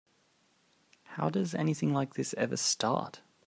How does anything like this ever start?